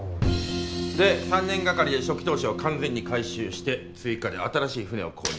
で３年がかりで初期投資を完全に回収して追加で新しい船を購入。